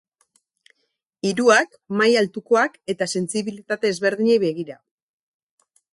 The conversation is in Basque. Hiruak maila altukoak eta sentsibillitate ezberdinei begira.